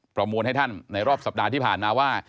มวลให้ท่านในรอบสัปดาห์ที่ผ่านมาว่า